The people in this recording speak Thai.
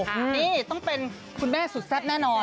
นี่ต้องเป็นคุณแม่สุดแซ่บแน่นอน